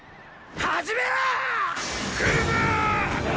始めろォ！